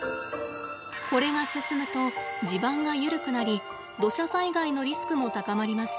これが進むと地盤が緩くなり土砂災害のリスクも高まります。